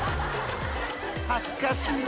［恥ずかしいな。